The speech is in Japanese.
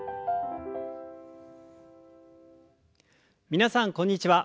皆さんこんにちは。